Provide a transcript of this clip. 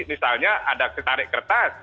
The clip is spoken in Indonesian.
misalnya ada ketarik kertas